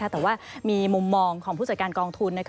แต่ว่ามีมุมมองของผู้จัดการกองทุน